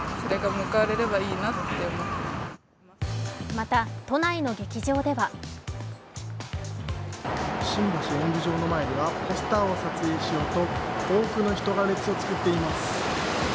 また、都内の劇場では新橋演舞場の前にはポスターを撮影しようと、多くの人が列を作っています。